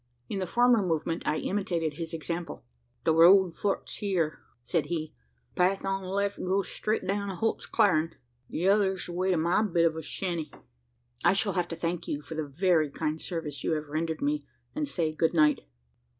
In the former movement, I imitated his example. "The road forks here," said he. "The path on the left goes straight down to Holt's Clarin' the other's the way to my bit o' a shanty." "I shall have to thank you for the very kind service you have rendered me, and say `Good night.'"